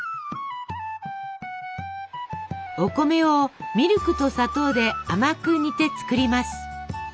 お米をミルクと砂糖で甘く煮て作ります。